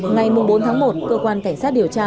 ngày bốn tháng một cơ quan cảnh sát điều tra